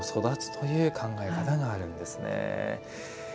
石にも育つという考え方があるんですね。